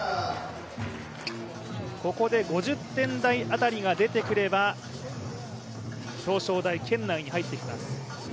ここで５０点台辺りが出てくれば、表彰台圏内に入ってきます。